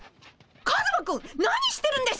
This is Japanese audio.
カズマくん何してるんです？